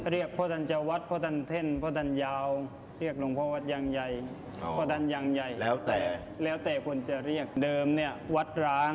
เรียกโพสต์จริงจริงวัดโพสต์ทรัวล์โพสต์ออนุเกียโรงงาน